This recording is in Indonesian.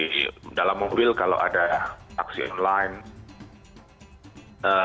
di dalam mobil kalau ada taksi online